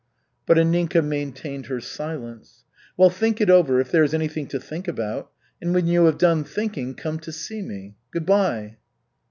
But Anninka maintained her silence. "Well, think it over, if there is anything to think about. And when you have done thinking, come to see me. Good by."